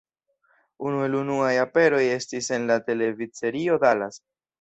Unu el unuaj aperoj estis en la televidserio Dallas.